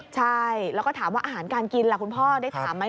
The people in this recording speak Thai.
ใช่แล้วก็ถามว่าอาหารการกินล่ะคุณพ่อได้ถามไหม